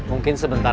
oh iya sebentar